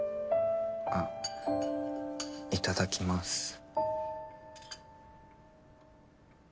あっいただきます。